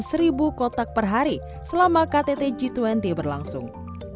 seribu kotak per hari selama ktt g dua puluh berlangsung